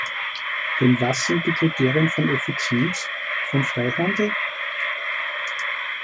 Denn was sind die Kriterien von Effizienz, von Freihandel?